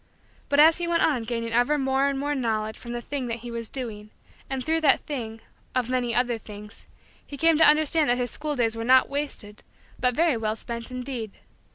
But, as he went on gaining ever more and more Knowledge from the thing that he was doing, and, through that thing, of many other things, he came to understand that his school days were not wasted but very well spent indeed.